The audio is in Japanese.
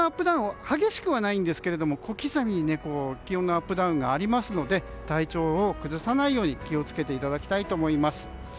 ダウン激しくはないんですが小刻みに気温のアップダウンがありますので体調を崩さないように気を付けていただきたいと思います。